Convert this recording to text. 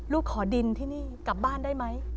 ขอดินที่นี่กลับบ้านได้ไหม